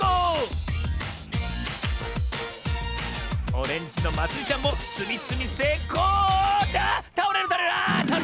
オレンジのまつりちゃんもつみつみせいこうあっ